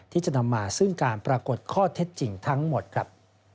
ที่จะนำมาซึ่งการปรากฏข้อเท็จจริงทั้งหมดครับ